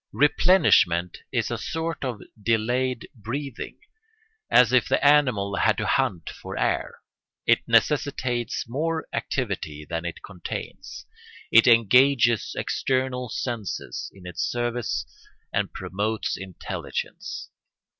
Replenishment is a sort of delayed breathing, as if the animal had to hunt for air: it necessitates more activity than it contains; it engages external senses in its service and promotes intelligence.